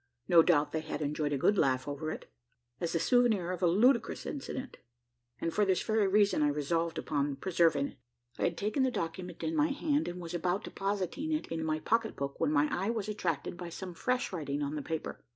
No doubt, they had enjoyed a good laugh over it as the souvenir of a ludicrous incident; and for this very reason I resolved upon preserving it. I had taken the document in my hand, and was about depositing it in my pocket book, when my eye was attracted by some fresh writing on the paper.